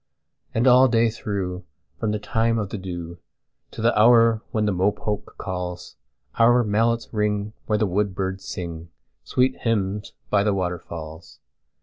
And all day through, from the time of the dewTo the hour when the mopoke calls, Our mallets ring where the woodbirds singSweet hymns by the waterfalls.